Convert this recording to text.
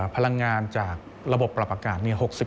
พลังงานจากระบบปรับอากาศ๖๐